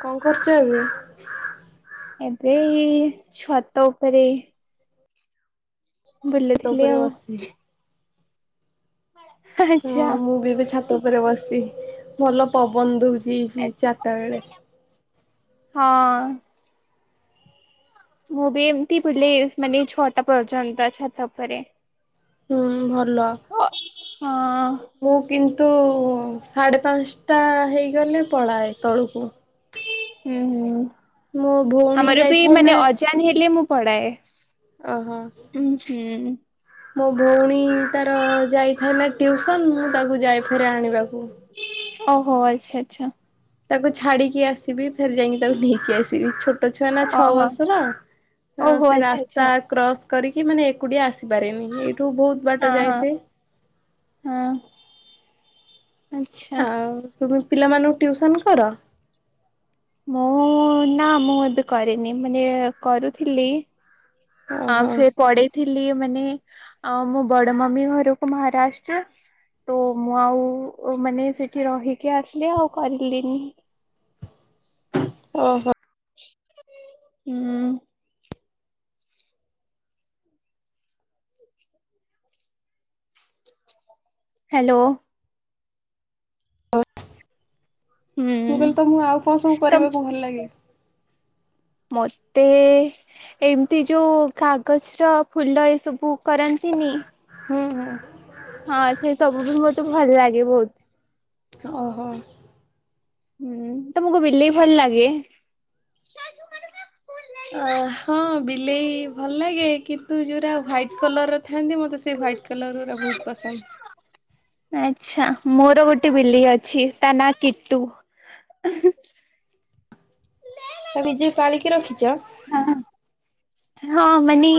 କଣ କରୁଛ ଏବେ? ଏବେ ଏଇ ଛାତ ଉପରେ ତ ବୁଲୁଥିଲି ଉପରେ ଆଉ। ବସିଛି। ହଁ ଆଚ୍ଛା ମୁଁ ବି ଏବେ ଛାତ ଉପରେ ବସିଛି। ଭଲ ପବନ ଦୋଉଛି। ହିଁ ହିଁ ଆଚ୍ଛା। ଚାଟା ବେଳେ ହଁ। ମୁଁ ବି ଏମିତି ବୁଲେ, ମାନେ ଛଅଟା ପର୍ଯ୍ୟନ୍ତ ଛାତ ଉପରେ। ହୁଁ ଭଲ। ହଁ ହୁଁ ମୁଁ କିନ୍ତୁ ସାଢ଼େ ପାଞ୍ଚଟା ହେଇଗଲେ ପଳାଏ ତଳକୁ। ହୁଁ ହୁଁ। ମୋ ଭଉଣୀ ଆମର ବି ଯାଇଥାଏ ମାନେ ନା ହେଲେ ମୁଁ ପଢାଏ। ଅ ହୋ। ହୁଁ ହୁଁ ମୋ ଭଉଣୀ ତାର ଯାଇଥାଏ ନା ଟ୍ୟୁସନ୍। ମୁଁ ତାକୁ ଯାଏ ଫେରେ ଆଣିବାକୁ। ଓହୋ ଆଚ୍ଛା ଆଚ୍ଛା। ତାକୁ ଛାଡିକି ଆସିବି। ଫେରେ ଯାଇକି ତାକୁ ନେଇକି ଆସିବି, ଛୋଟ୍ ଛୋଟ ଛୁଆ ନା ଛଅ ଓହୋ ବର୍ଷର, ଅ ଓହୋ ସେ ଆଚ୍ଛା ରାସ୍ତା ଆଚ୍ଛା। କ୍ରସ୍ କରିକି ମାନେ ଏକୁଟିଆ ଆସିପାରେନି। ଏଇଠୁ ବହୁତ୍ ହଁ ହଁ, ହଁ, ଆଛା। ଆଉ ତୁମେ ପିଲାମାନଙ୍କୁ ଟ୍ୟୁସନ୍ କର? ମୁଁ ନା ମୁଁ ଏବେ କରେନି, ମାନେ କରୁଥିଲି ଆ ଓହୋ ଫେରେ ପଢେଇଥିଲି ମାନେ ଆ ମୋ ବଡ଼ ମମି ଘରକୁ ମହାରାଷ୍ଟ୍ର ତ ମୁଁ ଆଉ ମାନେ ସେଠି ରହିକି ଆସିଲି, ଆଉ କରିଲିନି। ଓହୋ। ହୁଁ। ହାଲୋ। ମୁଁ ହୁଁ କହିଲି, ତମକୁ ଆଉ କଣ ସବୁ ତ କରିବାକୁ ଭଲ ଲାଗେ? ମତେ ଏମିତି ଯୋଉ କାଗଜର ଫୁଲ ଏସବୁ କରନ୍ତିନି ହୁଁ ହୁଁ। ହଁ, ସେ ସବୁ ବି ମତେ ଭଲ ଲାଗେ ବହୁତ୍। ଅ ହ। ହୁଁ, ତମକୁ ବିଲେଇ ଭଲ ଲାଗେ? ଅ [unintelligible] ହଁ, ବିଲେଇ ଭଲ ଲାଗେ। କିନ୍ତୁ ଯୋଉରା ୱାଇଟ୍ କଲର୍ ର ଥାଆନ୍ତି। ମୋତେ ସେଇ ୱାଇଟ୍ କଲର୍ ଗୁରା ବହୁତ୍ ପସନ୍ଦ। ଆଛା। ମୋର ଗୋଟେ ବିଲେଇ ଅଛି, ତା ନାଁ କିଟୁ। ତାକୁ ନିଜେ ପାଳିକି ରଖିଚ? ହଁ। ହଁ, ମାନେ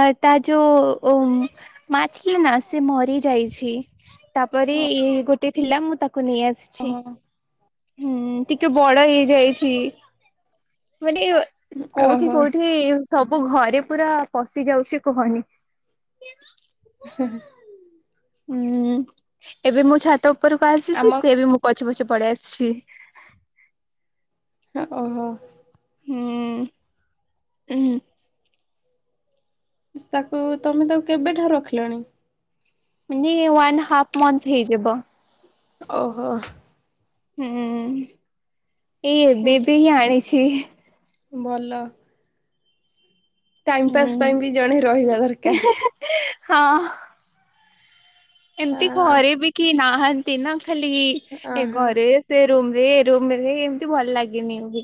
ଆ ତା ଯୋଉ ମା ଥିଲା ନା, ସେ ମରି ଯାଇଛି। ତାପରେ ଇଏ ଗୋଟେ ଥିଲା, ମୁଁ ତାକୁ ନେଇ ଆସି ହଁ। ହୁଁ, ଟିକେ ବଡ଼ ହେଇଯାଇଛି। ମାନେ କୋଉଠି, ଓହୋ କୋଉଠି, ସବୁ ଘରେ ପୁରା ପଶି ଯାଉଛି, କୁହନି? [unintelligible] ହୁଁ ହୁ ହୁଁ। ଏବେ ମୁଁ ଛାତ ଉପରକୁ ଆମ ଆସୁଛି। ସେ ବି ମୋ ପଛେ ପଛେ ପଳେଇ ଆସିଛି। ହଁ, ଓହୋ। ହୁଁ, ଉହୁଁ। ତାକୁ ତମେ ତାକୁ କେବେଠାରୁ ରଖିଲଣି? ମାନେ ୱାନ ହାପ ମନ୍ଥ ହେଇଯିବ। ଓହୋ ହୁଁ, ଏଇ ଏବେ ବି ଆଣିଛି। ଭଲ। ଟାଇମ ପାସ୍ ହୁଁ ପାଇଁ ବି ଜଣେ ରହିବା ଦରକାର। ହଁ ଏମିତି ଘରେ ବି କିଏ ନାହାନ୍ତି ନା, ଖାଲି ଇ ଏ ଅହୋ ଘରେ ସେ ରୁମରେ, ଏ ରୁମରେ, ଏମତି ଭଲ ଲାଗେନି ବି।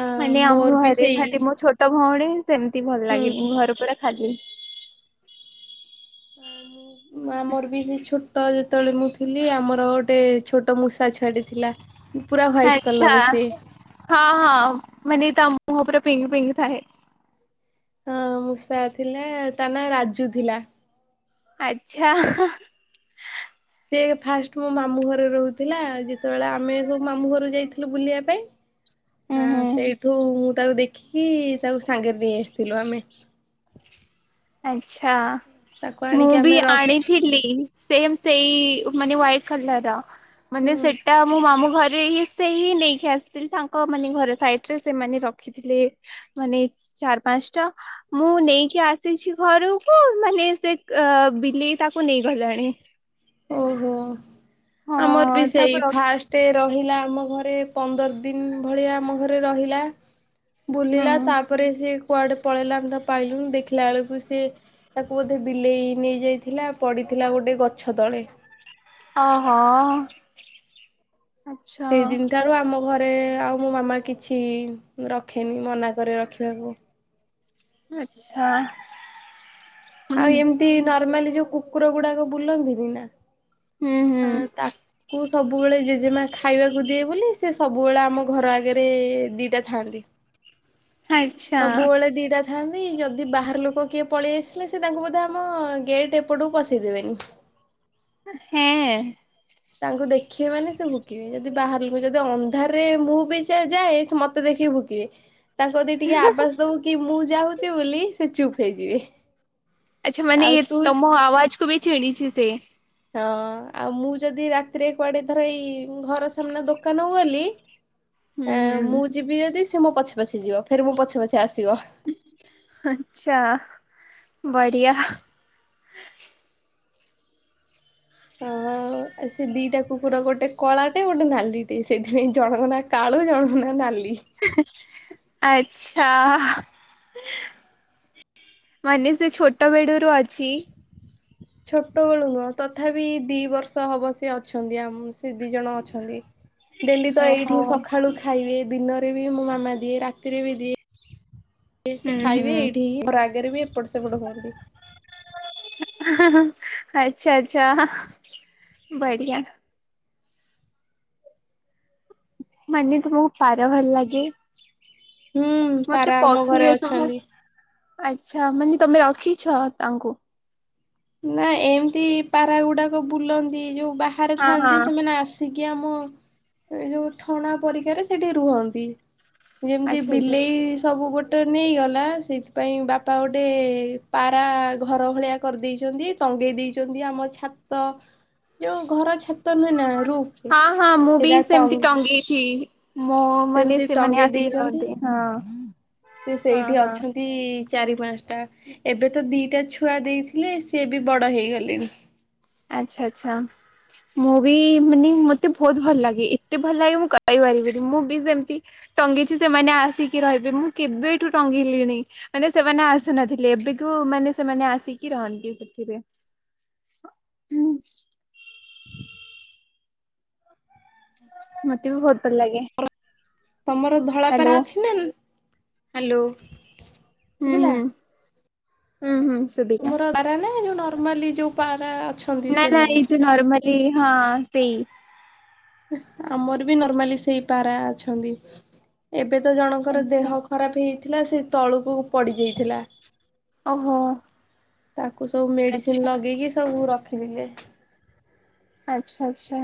ଆ ମାନେ ମୋର ଆମ ବି ଘରେ ସେଇ ଖାଲି ମୋ ଛୋ ତ ଭଉଣୀ ସେମତି ଭଲ ଲାଗେନି ହୁଁ ଘରେ ପୁରା ଖାଲି। ଆଉ ମୁଁ ମା ଆମର ବି ସେଇ ଛୋଟ ଯେତବେଳେ ମୁଁ ଥି ଥିଲି ଆମର ଗୋଟେ ଛୋଟ ମୂଷା ଛୁଆଟେ ଥିଲା। ପୁରା ହ୍ୱାଇଟ ଆଚ୍ଛା, କଲର ସେ ହଁ, ହଁ ମାନେ ତା ମୁହଁ ପୁରା ପିଙ୍କ୍ ପିଙ୍କ୍ ଥାଏ। ହଁ ମୂଷା ଥିଲା ତା ନାଁ ରାଜୁ ଥିଲା। ଆଚ୍ଛା। ସିଏ ଫାଷ୍ଟ ମୋ ମାମୁଁ ଘରେ ରହୁଥିଲା, ଯେତେବେଳେ ଆମେ ସବୁ ମାମୁଁ ଘରକୁ ଯାଇଥିଲୁ ବୁଲିବା ପାଇଁ। [inaudible] ହଁ ହୁଁ ସେଇଠୁ ମୁଁ ତାକୁ ଦେଖିକି ତାକୁ ସାଙ୍ଗେରେ ନେଇ ଆସିଥିଲୁ ଆମେ। ଆଚ୍ଛା, ତାକୁ ମୁଁ ଆଣିକି ବି ଆମେ ରଖ ଆଣିଥିଲି। ସେମ୍ ସେଇ ମାନେ ହ୍ଵାଇଟ୍ କଲର୍ ମାନେ ହୁଁ ସେ ଟା ମୁଁ ମାମୁଁ ଘରେ ହିଁ ସେ ହିଁ ନେଇକି ଆସିଥିଲି, ତାଙ୍କ ମାନେ ଘର ସାଇଟ୍ ରେ ସେମାନେ ରଖି ଥିଲେ ମାନେ ଚାର ପାନ୍ସ ଟା ମୁଁ ନେଇକି ଆ ସିଛି ଘରୁକୁ ମାନେ ସେ ଆ, ବିଲେଇ ତାକୁ ନେଇଗଲାଣି। ଓହୋ, ଆମର ବି ହଁ ତାକୁ ସେଇ ର ଫାଷ୍ ଟେ ରହିଲା ଆମ ଘରେ ପନ୍ଦର ଦିନ ଭଳିଆ ଆମ ଘରେ ରହିଲା। ହୁଁ ବୁଲିଲା ତାପରେ ସିଏ କୁଆଡେ ପଳେଇଲା ଆମେ ତାକୁ ପାଇଲୁନୁ, ଦେଖିଲା ବେଳୁକୁ ସିଏ ତାକୁ ବୋଧେ ବିଲେଇ ନେଇ ଯାଇଥିଲା ପଡିଥିଲା ଗୋଟେ ଗଛ ତଳେ। ହଁ, ହଁ। ସେଇଦିନ ଠାରୁ ଆମ ଘରେ ଆଉ ମୋ ମାମା କିଛି ରଖେନି, ମନା କରେ ରଖିବାକୁ। ଆଚ୍ଛା। ହୁଁ ଆଉ ଏମତି ନର୍ମାଲି ଯୋଉ କୁକୁର ଗୁଡାକ ବୁଲନ୍ତିନି ନା ହୁଁ ହୁଁ ଅଁ, ତା କୁ ସବୁବେଳେ ଜେଜେମା ଖାଇବାକୁ ଦିଏ ବୋଲି ସେ ସବୁବେଳେ ଆମ ଘର ଆଗେରେ ଦିଟା ଥାଆନ୍ତି। [inaudible] ଆଚ୍ଛା ସବୁବେଳେ ଦିଟା ଥାଆନ୍ତି ଯଦି ବାହାର ଲୋକ କିଏ ପଳେଇ ଆସେ ହେଲେ ସେ ତାଙ୍କୁ ବୋଧେ ଆମ ଗେଟ୍ ଏପଟୁକୁ ପଶେଇ ଦେବେନି। ହେଁ ତାଙ୍କୁ ଦେଖିବେ ମାନେ ସେ ଭୁକିବେ, ଯଦି ବାହାରିଲୁ ଯଦି ଅନ୍ଧାରରେ ମୁଁ ବି ସେ ଯାଏ ସେ ମୋତେ ଦେଖିକି ଭୁକି କିବେ, ତାଙ୍କୁ ଯଦି ଟିକେ ଆବାଜ ଦବୁ କି ମୁଁ ଯାଉଚି ବୋଲି ସେ ଚୁପ୍ ହେଇଯିବେ। ଆଚ୍ଛା ମାନେ ଆଉ ତୁ ତୋମ ଆୱାଜ୍ କୁ ବି ଚିହିଁଚି ସେ। ହଁ ଆଉ ମୁଁ ଯଦି ରାତିରେ କୁଆଡେ ଧର ଏଇ ଘର ସାମ୍ନା ଦୋକାନକୁ ଗଲି। [inaudible] ଏଁ, ମୁଁ ହୁଁ। ଯିବି ଯଦି ସେ ମୋ ପଛେ ପଛେ ଯିବ, ଫେରେ ମୋ ପଛେ ପଛେ ଆସିବ। ଆଚ୍ଛା ବଢିଆ। [unintelligible] ଆଉ ସେ ଦିଟା କୁକୁର ଗୋଟେ କଳାଟେ, ଗୋଟେ ନାଲିଟେ, ସେଇଥିପାଇଁ ଜଣକ ନାଁ କାଳୁ ଜଣକ ନାଁ ନାଲି। ଆଚ୍ଛା। ମାନେ ସେ ଛୋଟ ବେଡୁରୁ ଅଛି। ଛୋଟ ବେଳୁ ନୁଅଁ, ତଥାପି ଦି ବର୍ଷ ହବ ସେ ଅଛନ୍ତି ଆମ ସେ ଦିଜଣ ଅଛନ୍ତି। ଡେଲି ତ ଏଇଠି ଓହୋ। ସଖାଳୁ ଖାଇବେ, ଦିନରେ ବି ମୋ ମାମା ଦିଏ, ରାତିରେ ବି ଦିଏ। ଏ ସେ ହୁଁ ଖାଇବେ ହୁଁ ଏଇଠି ହିଁ ଘର ଆଗରେ ବି ଏପଟ ସେପଟ ହୁଅନ୍ତି। ଆଚ୍ଛା, ଆଚ୍ଛା, ବଢିଆ। ମାନେ ତୁମକୁ ପାରା ଭଲ ଲାଗେ? ହୁଁ ମୋତେ ପାରା ଆମ ପକ୍ଷୀ ଘରେ ଏସବୁ, ଅଛନ୍ତି। ଆଚ୍ଛା ମାନେ ତୋମେ ରଖିଛ ତାଙ୍କୁ? ନା ଏମିତି ପାରାଗୁଡାକ ବୁଲନ୍ତି ଯୋଉ ବାହାରେ ହଁ ହଁ ଥାଆନ୍ତି ସେମାନେ ଆସ ଆସିକି ଆମ ଏ ଯୋଉ ଠଣା ପରିକାରେ ସେଠି ରୁହନ୍ତି। ଯେମିତି ଆଚ୍ଛା ଆଚ୍ଛା ବିଲେଇ ସବୁ ଗୋଟେ ନେଇଗଲା ସେଇଥିପାଇଁ ବାପା ଗୋଟେ ପାରା ଘର ଭଳିଆ କରିଦେଇ ଛନ୍ତି ଟଙ୍ଗେଇ ଦେଇଛନ୍ତି ଆମ ଛାତ ଯୋଉ ଘର ଛା ତ ନୁହେଁ ନା ରୁଫ ରେ ହଁ ହଁ ମୁଁ ବି ସେଇଟା ଟଙ୍ଗ [unintelligible] ମୋ ମାନେ ସେମିତି ସେମାନେ ଟଙ୍ଗେଇ ଆସିକି ଦେଇଛନ୍ତି ରହନ୍ତି ହଁ ସେ ହଁ ସେଇଠି ହଁ ଅଛନ୍ତି। ଦି ଚାରି ପାଞ୍ଚଟା ଏବେ ତ ଦୁଇଟା ଛୁଆ ଦେଇଥିଲେ ସିଏ ବି ବଡ଼ ହେଇଗଲେଣି। ଆଚ୍ଛା ଆଚ୍ଛା। ମୁଭି ମାନେ ମତେ ବହୁତ ଭଲ ଲାଗେ ଏତେ ଭଲ ଲାଗେ ମୁଁ କହିପାରିବିିନି। ମୁଭି ସେମିତି ଟଙ୍ଗେଇଛି ସେମାନେ ଆସିକି ରହିବେ ମୁଁ କେବେଠୁ ଟଙ୍ଗେଇଲିଣି। ମାନେ ସେମାନେ ଆସୁନଥିଲେ ଏବେକୁ ମାନେ ସେମାନେ ଆସିକି ରହନ୍ତି ସେଥିିରେ। ହୁଁ। ମତେ ବି ବହୁତ ଭଲ ଲାଗେ। ତମର ଧଳାପାରା ହ୍ୟାଲୋ ଅଛି ନା ହ୍ୟାଲୋ ହୁଁ ଶୁଭିଲା ହୁଁ ହୁଁ ହୁଁ ଶୁଭିଲା। ତୁମର ପାରା ନା ନର୍ମାଲି ଯୋଉ ପାରା ଅଛନ୍ତି ନା ନା ସେମାନେ ଏଇ ଯେଉ ନର୍ମାଲି ହଁ ସେଇ ଆମର ବି ନର୍ମାଲି ସେଇ ପାରା ଅଛନ୍ତି। ଏବେ ତ ଜଣଙ୍କର ଆଚ୍ଛା ଦେହ ଖରାପ ହେଇଥିଲା ସେ ତଳକୁ ପଡି ଯାଇଥିଲା। ଓହୋ ତାକୁ ସବୁ ଆଚ୍ଛା ମେଡିସିନ ଲଗେଇକି ସବୁ ରଖିଥିଲେ। ଆଚ୍ଛା ଆଚ୍ଛା।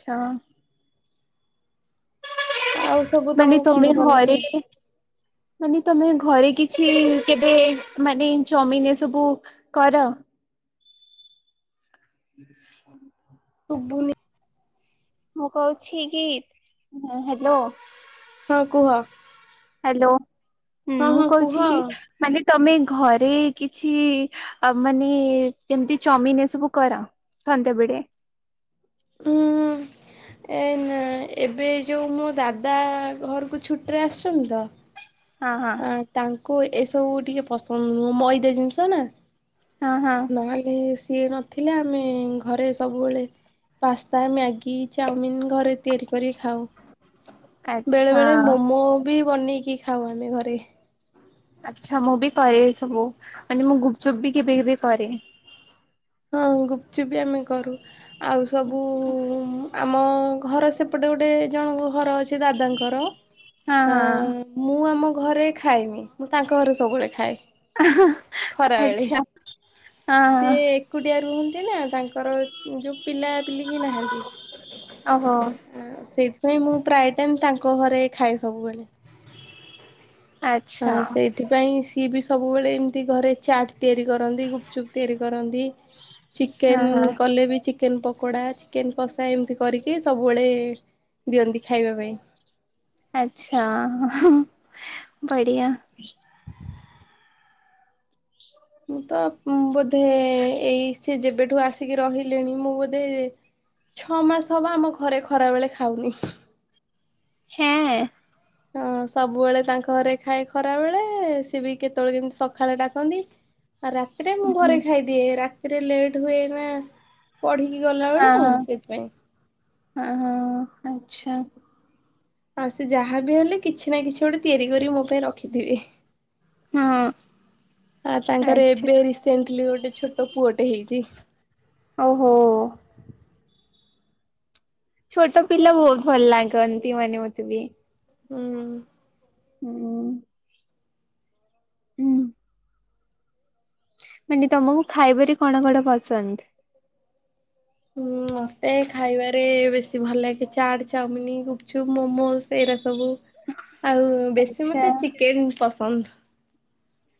ଆଚ୍ଛା। ଆଉ ସବୁ ମାନେ ତମକୁ ତମେ କଣ ଭଲ ଘରେ ଲାଗେ? ମାନେ ତମେ ଘରେ କିଛି କେବେ ମାନେ ଚମିନ ଏ ସବୁ କର। ଶୁୁଭୁନି। ମୁଁ କହୁଛି କି ହ୍ୟାଲୋ ହଁ କୁହ। ହ୍ୟାଲୋ ହଁ ମୁଁ ହଁ କୁହ କହୁଛି କି ମାନେ ତମେ ଘରେ କିଛି ଆ ମାନେ ଯେମିତି ଚଉମିନ ଏସବୁ କର ସନ୍ଧ୍ୟାବେଳେ। ଉଁ ଏ ନା ଏବେ ଯୋଉ ମୋ ଦାଦା ଘରକୁ ଛୁଟିରେ ଆସିଛନ୍ତି ତ। ହଁ ହଁ। ଆ ତାଙ୍କୁ ଏସବୁ ଟିକେ ପସନ୍ଦ ନୁହଁ ମଇଦା ଜିନିଷ ନା। ହଁ ହଁ। ନହେଲେ ସିଏ ନଥିଲେ ଆମେ ଘରେ ସବୁବେଳେ ପାସ୍ତା, ମ୍ୟାଗି, ଚାଉମିିନ ଘରେ ତିଆରି କରି ଖାଉ। ବେଳେ ଆଚ୍ଛା। ବେଳେ ମୋମୋ ବି ବନେଇକି ଖାଉ ଆମେ ଘରେ। ଆଚ୍ଛା ମୁଁ ବି କରେ ସବୁ ମାନେ ମୁଁ ଗୁପଚୁପ୍ ବି କେବେ କେବେ କରେ। ହଁ ଗୁପଚୁପ ବି ଆମେ କରୁ ଆଉ ସବୁ ଆମ ଘର ସେପଟେ ଗୋଟେ ଜଣଙ୍କ ଘର ଅଛି ଦାଦାଙ୍କର ହଁ ହଁ ମୁଁ ଆମ ଘରେ ଖାଏନି, ମୁଁ ତାଙ୍କ ଘରେ ସବୁବେଳେ ଖାଏ। ଖରା ବେଳେ। ଆଚ୍ଛା ହଁ ହଁ ସିଏ ଏକୁଡ଼ିଆ ରୁହନ୍ତି ନା ତାଙ୍କର ଯୋଉ ପିଲାପିଲିକି ନାହାନ୍ତି। ଓହୋ। ଆ ସେଇଥିପାଇଁ ମୁଁ ପ୍ରାୟ ଟାଇମ ତାଙ୍କ ଘରେ ଖାଏ ସବୁବେଳେ। ହଁ ଆଚ୍ଛା ସେଇ ସେଥିପାଇଁ ସିଏ ବି ସବୁବେଳେ ଏମିତି ଘରେ ଚାଟ୍ ତିଆରି କରନ୍ତି, ଗୁପଚୁପ୍ ତିଆରି କରନ୍ତି। ହଁ ଚିକେନ ହଁ କଲେ ବି ଚିକ୍ ଚିକେନ୍ ପକୋଡ଼ା, ଚିକେନ୍ କଷା ଏମିତି କରିକି ସବୁବେଳେ ଦିଅନ୍ତି ଖାଇବା ପାଇଁ। ଆଚ୍ଛା, [unintelligible] ବଢ଼ିଆ। ମୁଁ ତ ବୋଧେ ଏଇ ସେ ଯେବେଠୁ ଆସିକି ରହିଲିଣି ମୁଁ ବୋଧେ ଛଅ ମାସ ହବ ଆମ ଘରେ ଖରା ବେଳେ ଖାଉନି। ହେଁ। ହଁ ସବୁବେଳେ ତାଙ୍କ ଘରେ ଖାଏ ଖରା ବେଳେ, ସିଏ ବି କେତେବେଳେ କେମତି ସକାଳେ ଡାକନ୍ତି। ରାତିରେ ମୁଁ ଘରେ ଖାଇଦିଏ, ରାତିରେ ଲେଟ ହୁଏ ନା ପଢିକି ଗଲା ବେଳକୁ ସେଥିପାଇଁ। [unintelligible] ଆଚ୍ଛା। ଆଉ ସେ ଯାହା ବିି ହେଲେ କିଛି ନା କିଛି ଗୋଟେ ତିଆରି କରିକି ମୋ ପାଇଁ ରଖିଥିବେ। ହଁ [unintelligible] ତାଙ୍କର ଆଚ୍ଛା ଏବେ ରିସେଣ୍ଟଲି ଗୋଟେ ଛୋଟ ପୁଅଟେ ହେଇଛି। ଓହୋ। ଛୋଟ ପିଲା ବହୁତ ଭଲ ଲାଗନ୍ତି ମାନେ ମତେ ବି। ହୁଁ। ହୁଁ। ହୁଁ। ମାନେ ତମକୁ ଖାଇବାରେ କଣ କଣ ପସନ୍ଦ? ହୁଁ ମତେ ଖାଇବାରେ ବେଶୀ ଭଲ ଲାଗେ ଚାଟ୍, ଚାଉମିନ, ଗୁପଚୁପ୍, ମୋମୋଶ୍ ଏଇରା ସବୁ। ଆଉ ବେଶୀ ଆଚ୍ଛା ମତେ ଚିକେନ ପସନ୍ଦ।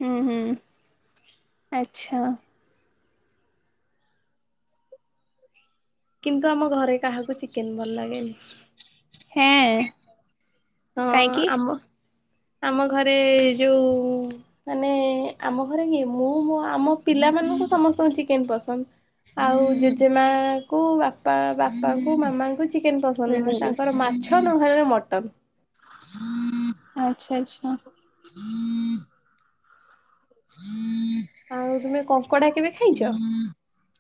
[unintelligible] ଆଚ୍ଛା। କିନ୍ତୁ ଆମ ଘରେ କାହାକୁ ଚିକେନ୍ ଭଲ ଲାଗେନି। ହେଁ [unintelligible] ହଁ କାହିଁକି? ଆମ ଆମ ଘରେ ଯୋଉ ମାନେ ଆମ ଘରେ କିଏ ମୁଁ ମ ଆମ ପିଲାମାନଙ୍କୁ ସମସ୍ତଙ୍କୁ ଚିକେନ ପସନ୍ଦ। ଆଉ ଜେଜେମାଙ୍କୁ ବାପା ବାପାଙ୍କୁ ମାମାଙ୍କୁ ଚିକେନ ପସନ୍ଦ ନୁହଁ। ହୁଁ ତାଙ୍କର ମା ଛଅ ନହଲେ ମଟନ। [inaudible] ଆଚ୍ଛା ଆଛା। [inaudible] ଆଉ ତୁମେ କଙ୍କଡା କେବେ ଖାଇଛ?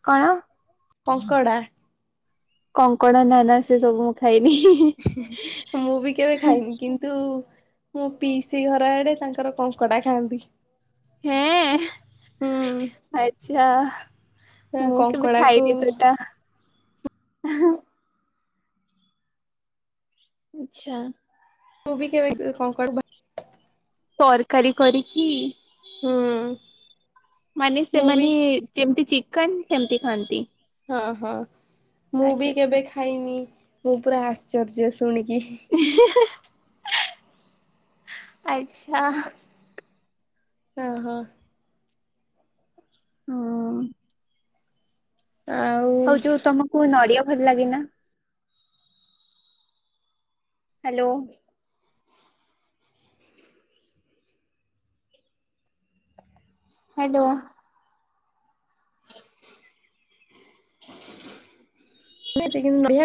କଣ? କଙ୍କଡ଼ା? କଙ୍କଡ ନାନା ସେ ସବୁ ମୁଁ ଖାଇନି। ମୁଁ ବି କେବେ ଖାଇନି। କିନ୍ତୁ ମୁଁ ପିଇସି ଘର ଆଡେ ତାଙ୍କର କଙ୍କଡ଼ା ଖାଆନ୍ତି। ହେଁ। ହୁଁ ଆଚ୍ଛା, ମୁଁ କେବେ କଙ୍କଡାକୁ ଖାଇନି ତୋଟା। [unintelligible] ଆଛା। ତୁ ବି କେ କଣ କର ବା ତରକାରୀ କରିକି ହୁଁ? ମାନେ ମୁଁ ବି ସେମାନେ ଯେମିତି ଚିକେନ ସେମିତି ଖାଆନ୍ତି। ହଁ ହଁ ମୁଁ ବି ଆଚ୍ଛା ଆଚ୍ଛା କେବେ ଖାଇନି ମୁଁ ପୁରା ଆଶ୍ଚର୍ଯ୍ୟ ଶୁଣିକି। ଆଚ୍ଛା? ଓ ହୋ। ହୁ? ଆଉ। ହଉ ଯୋଉ ତମକୁ ନଡିଆ ଭଲ ଲାଗେନା? ହାଲୋ? ହାଲୋ? [inaudible] ଆ।